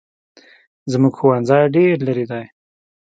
زموږ ښوونځی ډېر لري دی